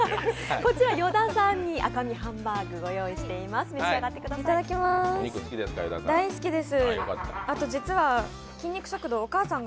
こちら、与田さんに赤身ハンバーグをご用意しています。